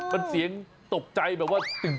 มันเสียงตกใจแบบว่าตึง